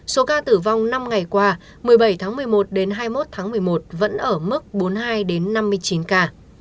số ca tử vong năm ngày qua một mươi bảy tháng một mươi một đến hai mươi một tháng một mươi một vẫn ở mức bốn mươi hai năm mươi chín ca